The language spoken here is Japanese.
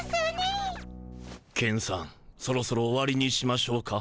ケンさんそろそろ終わりにしましょうか？